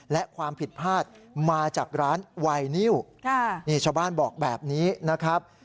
และความผิดพลาดมาจากร้านไวนิวนี่ชาวบ้านบอกแบบนี้นะครับ